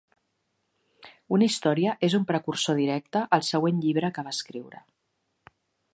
Una història és un precursor directe al següent llibre que va escriure.